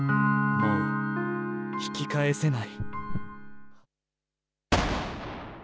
もう、引き返せない。